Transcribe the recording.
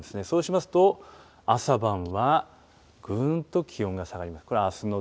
そうしますと、朝晩はぐーんと気温が下がります。